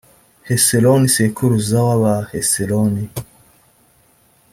hesironi sekuruza w’abahesironi.